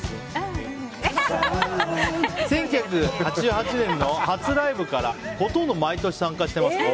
１９８８年の初ライブからほとんど毎年参加しています。